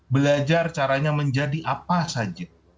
belajar caranya menjadi apa saja